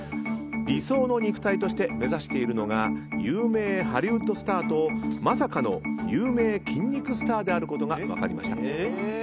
理想の肉体として目指しているのが有名ハリウッドスターとまさかの有名筋肉スターであることが分かりました。